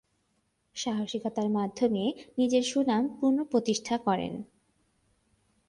সাহসিকতার মাধ্যমে নিজের সুনাম পুনঃপ্রতিষ্ঠা করেন।